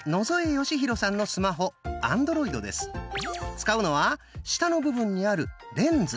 使うのは下の部分にある「レンズ」。